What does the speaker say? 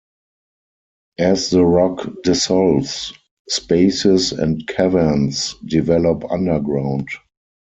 As the rock dissolves, spaces and caverns develop underground.